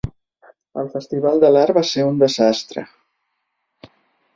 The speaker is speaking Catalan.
El festival de l'art va ser un desastre.